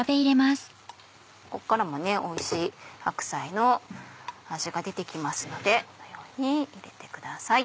ここからもおいしい白菜の味が出て来ますのでこのように入れてください。